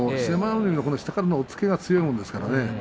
海の下からの押っつけが強いものですからね。